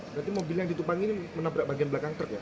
berarti mobil yang ditumpangi ini menabrak bagian belakang truk ya